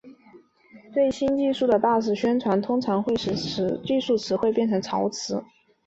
对新技术的大肆宣传通常会使技术词汇变成潮词。